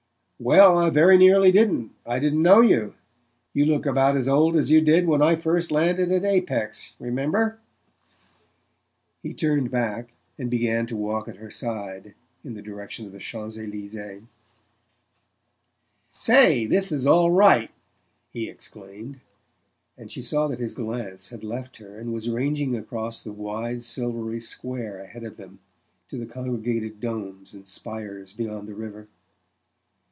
"Well, I very nearly didn't. I didn't know you. You look about as old as you did when I first landed at Apex remember?" He turned back and began to walk at her side in the direction of the Champs Elysees. "Say this is all right!" he exclaimed; and she saw that his glance had left her and was ranging across the wide silvery square ahead of them to the congregated domes and spires beyond the river.